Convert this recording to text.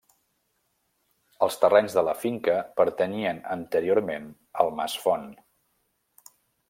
Els terrenys de la finca pertanyien anteriorment al mas Font.